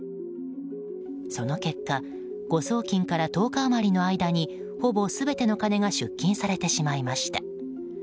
その結果誤送金から１０日余りの間にほぼ全ての金が出金されてしまいました。